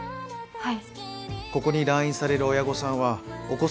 はい。